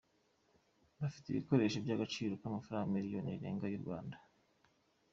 Bafite ibikoresho by’agaciro k’amafaranga miliyoni irenga y’u Rwanda.